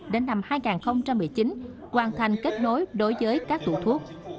đến năm hai nghìn một mươi chín hoàn thành kết nối đối với các tủ thuốc